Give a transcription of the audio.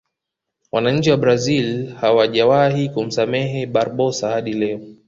wananchi wa brazil hawajawahi kumsamehe barbosa hadi leo